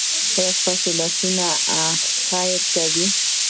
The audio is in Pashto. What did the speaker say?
ایا ستاسو لاسونه خیر کوي؟